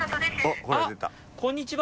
あっこんにちは。